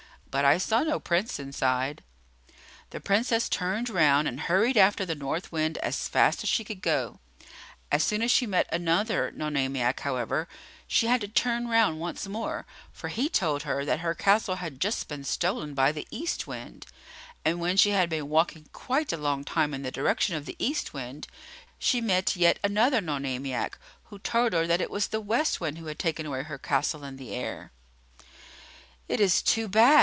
But I saw no Prince inside." The Princess turned round and hurried after the North Wind as fast as she could go. As soon as she met another Nonamiac, however, she had to turn round once more, for he told her that her castle had just been stolen by the East Wind; and when she had been walking quite a long time in the direction of the East Wind, she met yet another Nonamiac, who told her that it was the West Wind who had taken away her castle in the air. "It is too bad!"